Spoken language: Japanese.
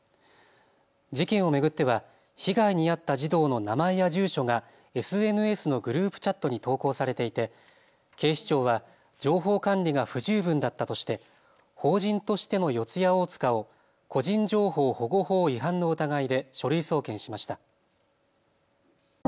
事件を巡っては被害に遭った児童の名前や住所がＳＮＳのグループチャットに投稿されていて警視庁は情報管理が不十分だったとして法人としての四谷大塚を個人情報保護法違反の疑いで書類送検しました。